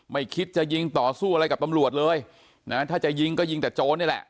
ไม่คิดจะยิงต่อสู้อะไรกับตำรวจเลยนะถ้าจะยิงก็ยิงแต่โจรนี่แหละ